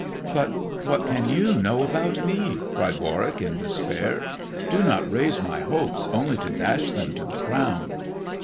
" But what can you know about me 1 " cried Warwick in despair. Do not raise my hopes only to dash them to the ground."